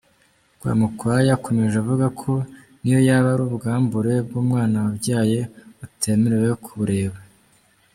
Rwamukwaya yakomeje avuga ko n’iyo yaba ari ubwambure bw’umwana wabyaye utemerewe kubureba.